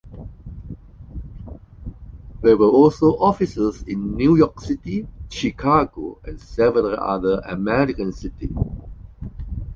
There were also offices in New York City, Chicago, and several other American cities.